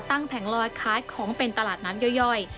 ตั้งแผงลอยคล้ายของเป็นตลาดนัดย่อย